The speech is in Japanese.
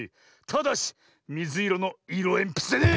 ただしみずいろのいろえんぴつでね！